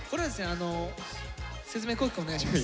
あの説明皇輝くんお願いします。